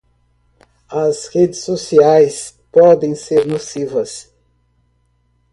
As redes sociais podem ser nocivas.